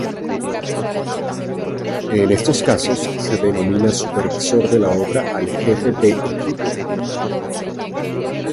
En estos casos se denomina Supervisor de la obra al Jefe de equipo.